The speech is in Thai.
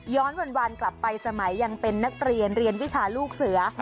วันกลับไปสมัยยังเป็นนักเรียนเรียนวิชาลูกเสือ